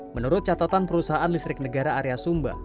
menurut catatan perusahaan listrik negara area sumba